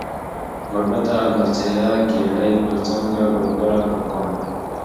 گوربته ، گل څېره ، گېډۍ ، گل څانگه ، گورگره ، گلپاڼه